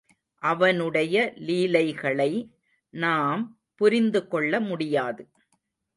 அவனுடைய லீலைகளை நாம் புரிந்து கொள்ள முடியாது.